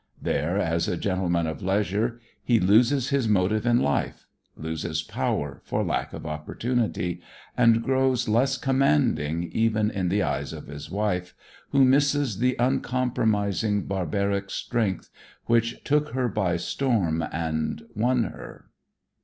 There, as a gentleman of leisure, he loses his motive in life, loses power for lack of opportunity, and grows less commanding even in the eyes of his wife, who misses the uncompromising, barbaric strength which took her by storm and won her.